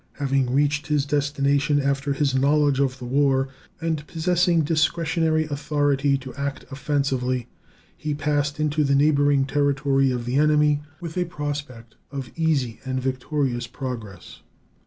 Having reached his destination after his knowledge of the war, and possessing discretionary authority to act offensively, he passed into the neighboring territory of the enemy with a prospect of easy and victorious progress.